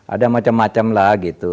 ada macam macam lah gitu